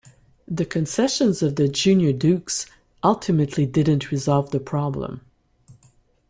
The concessions of the Junior Dukes ultimately didn't resolve the problem.